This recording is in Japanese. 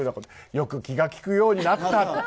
よく気が利くようになった。